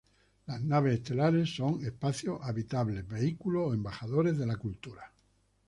Las naves estelares son espacios habitables, vehículos o embajadores de La Cultura.